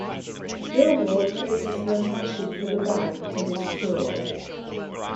Millward traces her passion for the bike to this tour.